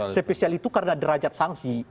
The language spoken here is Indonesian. spesial itu karena derajat sanksi